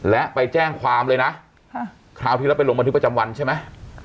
และไปแจ้งความเลยนะคราวที่แล้วไปลงบันทึกประจำวันใช่ไหม